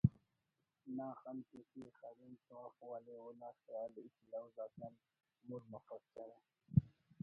نا خن تیٹی خڑینک تو اف ولے اونا خیال ہچ لوز آتیان مر مفک چڑہ